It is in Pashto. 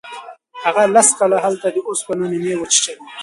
هغه لس کاله هلته د اوسپنو نینې وچیچلې.